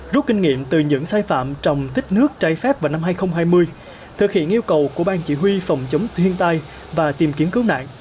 rút kinh nghiệm từ những sai phạm trong tích nước trái phép vào năm hai nghìn hai mươi thực hiện yêu cầu của ban chỉ huy phòng chống thiên tai và tìm kiếm cứu nạn